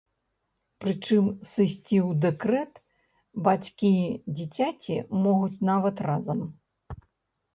Прычым сысці ў дэкрэт бацькі дзіцяці могуць нават разам.